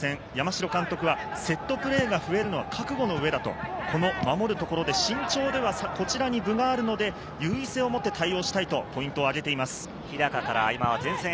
今日の青森山田戦、山城監督はセットプレーが増えるのは覚悟の上だと、ここの守るところで身長ではこちらに分があるので、優位性を持って対応したいとポイントを挙げています。